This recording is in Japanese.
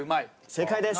正解です。